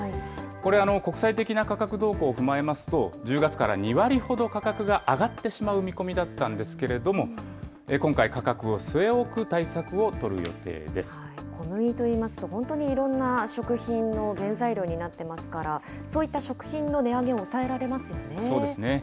これ、国際的な価格動向を踏まえますと、１０月から２割ほど価格が上がってしまう見込みだったんですけれども、今回、価格を据え小麦といいますと、本当にいろんな食品の原材料になっていますから、そういった食品の値上げ、そうですね。